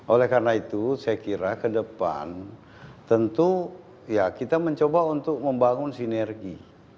oleh karena itu saya kira ke depan tentu ya kita mencoba untuk membangun sinergi